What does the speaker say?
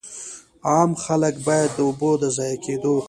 عام خلک باید د اوبو د ضایع کېدو.